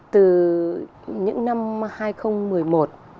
từ những năm hai nghìn một mươi một